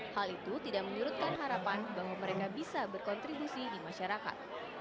hal itu tidak menyurutkan harapan bahwa mereka bisa berkontribusi di masyarakat